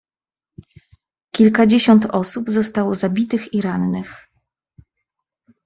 "Kilkadziesiąt osób zostało zabitych i rannych."